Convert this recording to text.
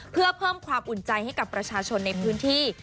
เพื่อเพิ่มความอุ่นใจให้กับประชาชนในพื้นที่